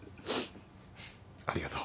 ありがとう。